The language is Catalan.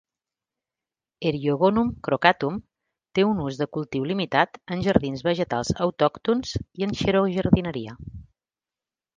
"Eriogonum crocatum" té un ús de cultiu limitat en jardins vegetals autòctons i en xerojardineria.